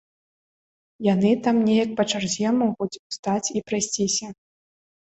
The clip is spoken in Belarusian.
Яны там неяк па чарзе могуць устаць і прайсціся.